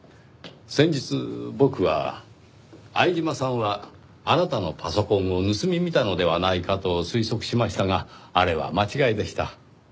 先日僕は相島さんはあなたのパソコンを盗み見たのではないかと推測しましたがあれは間違いでした。